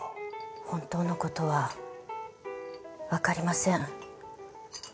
本当の事はわかりません。